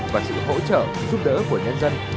và sự hỗ trợ giúp đỡ của nhân dân